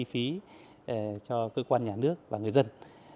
cũng như là giảm những chi phí cho cơ quan nhà nước và người dân